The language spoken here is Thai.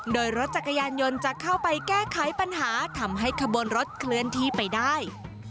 โดยรถจักรยานยนต์จะเข้าไปแก้ไขปัญหาทำให้ขบวนรถเคลื่อนที่ไปได้